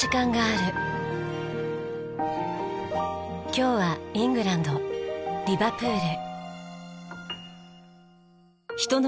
今日はイングランドリバプール。